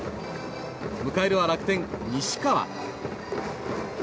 迎えるは楽天、西川。